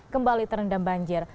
kembali terendam banjir